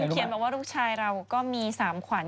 เขียนมาว่าลูกชายเราก็มี๓ขวัญ